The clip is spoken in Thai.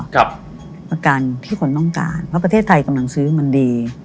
ประกันที่คนต้องการเพราะประเทศไทยกำลังซื้อมันดี